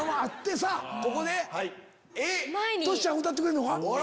さぁここでトシちゃん歌ってくれんのか？